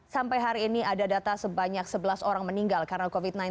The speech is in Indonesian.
sampai hari ini ada data sebanyak sebelas orang meninggal karena covid sembilan belas